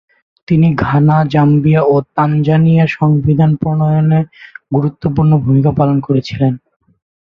তিনি Ghana, Zambia ও তানজানিয়ার সংবিধান প্রণয়নে গুরুত্বপূর্ণ ভূমিকা পালন করেছিলেন।